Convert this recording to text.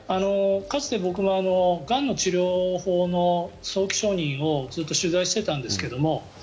かつて、僕もがんの治療法の早期承認をずっと取材していたんですけど